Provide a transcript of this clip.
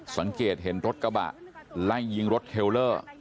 สังเกตเห็นรถกระบะไล่ยิงรถเทลเลอร์